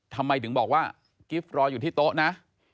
ทำไมถึงบอกว่ากิฟต์รออยู่ที่โต๊ะนะ